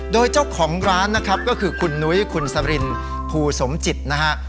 โดยเจ้าของร้านนะครับก็คือคุณนุ้ยคุณสรินภูสมจิตนะฮะ